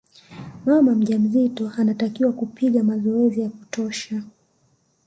mama mjamzito anatakiwa kupiga mazoezi ya kutosha